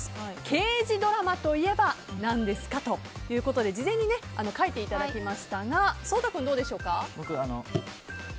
刑事ドラマといえば何ですかということで事前に書いていただきましたが颯太君はどうでしょう？